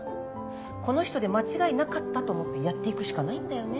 この人で間違いなかったと思ってやっていくしかないんだよね。